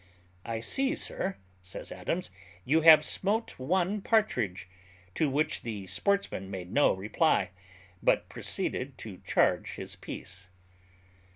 "I see, sir," says Adams, "you have smote one partridge;" to which the sportsman made no reply, but proceeded to charge his piece.